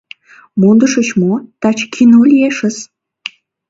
— Мондышыч мо, таче кино лиешыс!